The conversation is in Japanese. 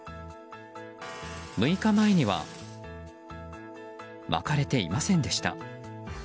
６日前には巻かれていませんでした。